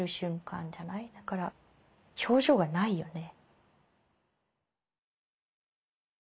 だから表情がないよね。